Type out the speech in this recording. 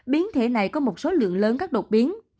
biến thể này có một số lượng lớn các đột biến